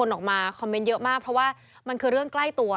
ทำให้เยอะมากเพราะว่ามันคือเรื่องใกล้ตัว